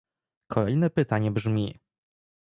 Kolejne pytanie brzmi